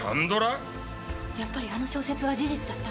やっぱりあの小説は事実だった。